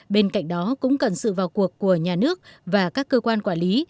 bên cạnh đó cũng cần sự vào cuộc của nhà nước và các cơ quan quản lý